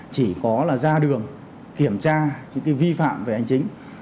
chỉ có là ra đường kiểm tra những vi phạm về hành chính